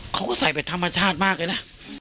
เขาก็ใส่แบบธรรมชาติมากเลยนะ